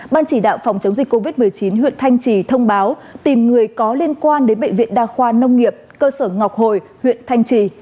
ban chỉ đạo phòng chống dịch covid một mươi chín huyện thanh trì thông báo tìm người có liên quan đến bệnh viện đa khoa nông nghiệp cơ sở ngọc hồi huyện thanh trì